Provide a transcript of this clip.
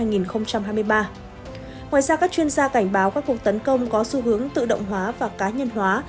ngoài ra các chuyên gia cảnh báo các cuộc tấn công có xu hướng tự động hóa và cá nhân hóa